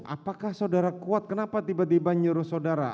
apakah saudara kuat kenapa tiba tiba nyuruh saudara